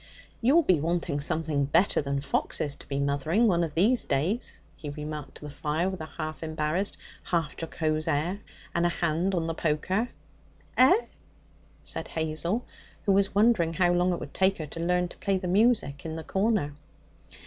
'You'll be wanting something better than foxes to be mothering one of these days,' he remarked to the fire, with a half embarrassed, half jocose air, and a hand on the poker. 'Eh?' said Hazel, who was wondering how long it would take her to learn to play the music in the corner.